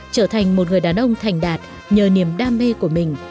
trở thành một người đàn ông thành đạt nhờ niềm đam mê của mình